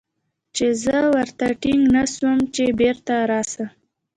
چې زه ورته ټينګ نه سم چې بېرته راسه.